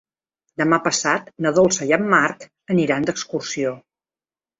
Demà passat na Dolça i en Marc aniran d'excursió.